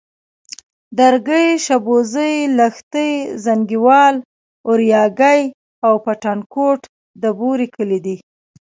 درگۍ، شبوزې، لښتي، زينگيوال، اورياگی او پټانکوټ د بوري کلي دي.